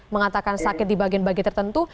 mengatakan sakit di bagian bagian tertentu